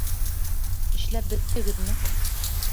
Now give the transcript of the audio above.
— Эшләп бөттөгөҙмө?